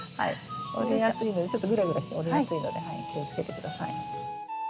折れやすいのでちょっとグラグラして折れやすいので気をつけて下さい。